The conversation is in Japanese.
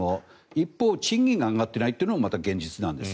一方、賃金が上がってないのも現実なんです。